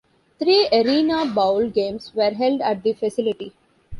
Three ArenaBowl games were held at the facility.